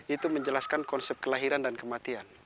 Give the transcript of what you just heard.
itu menjelaskan konsep kelahiran dan kematian